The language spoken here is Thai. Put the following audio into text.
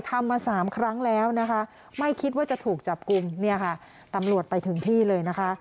มาสามครั้งแล้วนะคะไม่คิดว่าจะถูกจับกลุ่มเนี่ยค่ะตำรวจไปถึงที่เลยนะคะ